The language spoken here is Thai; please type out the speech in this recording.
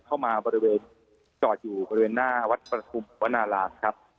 เข้ามาบริเวณจอดอยู่บริเวณหน้าวัดประทุมวนารามครับ